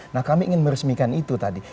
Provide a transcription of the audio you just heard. nah kami ingin meresmikan itu tadi